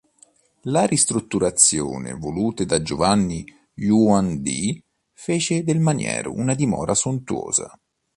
La ristrutturazione volute da Giovanni Hunyadi fece del maniero una dimora sontuosa.